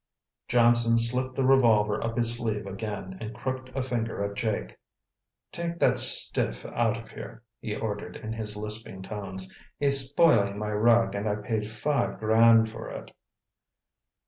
Johnson slipped the revolver up his sleeve again and crooked a finger at Jake. "Take that stiff out of here," he ordered in his lisping tones, "he's spoiling my rug and I paid five grand for it."